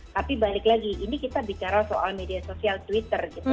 tapi balik lagi ini kita bicara soal media sosial twitter gitu